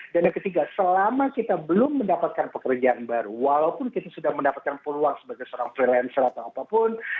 dan yang ketiga selama kita belum mendapatkan pekerjaan baru walaupun kita sudah mendapatkan peluang sebagai seorang freelancer atau apapun